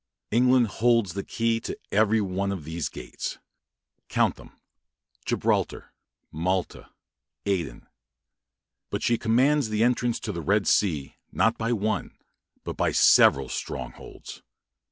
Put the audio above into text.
England holds the key to every one of these gates. Count them Gibraltar, Malta, Aden. But she commands the entrance to the Red Sea, not by one, but by several strongholds.